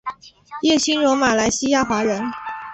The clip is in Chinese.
叶清荣马来西亚华人。